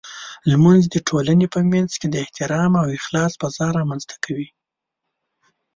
لمونځ د ټولنې په منځ کې د احترام او اخلاص فضاء رامنځته کوي.